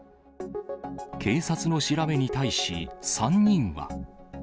警察の調べに対し、３人は。